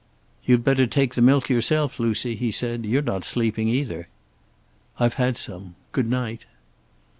"You'd better take the milk yourself, Lucy," he said. "You're not sleeping either." "I've had some. Good night."